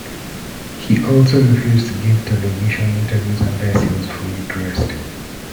He also refused to give television interviews unless he was fully dressed.